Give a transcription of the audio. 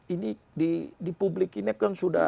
ini di publik ini kan sudah